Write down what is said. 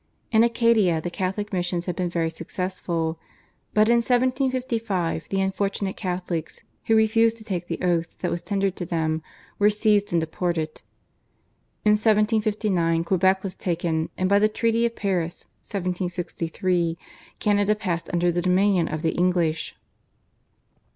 In Acadia the Catholic missions had been very successful, but in 1755 the unfortunate Catholics, who refused to take the oath that was tendered to them, were seized and deported. In 1759 Quebec was taken, and by the Treaty of Paris (1763) Canada passed under the dominion of the English.